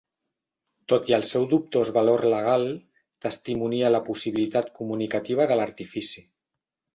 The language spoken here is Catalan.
Tot i el seu dubtós valor legal, testimonia la possibilitat comunicativa de l'artifici.